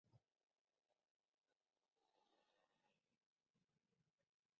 Se considera la joya de la cultura musical armenia.